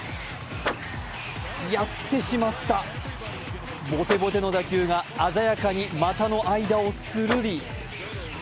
やってしまった、ボテボテの打球が鮮やかに股の間をスルリ。